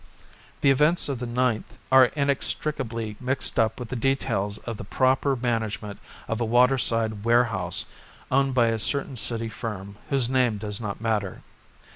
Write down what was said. The events of the ninth are inextricably mixed up with the details of the proper management of a waterside warehouse owned by a certain city firm whose name does not matter.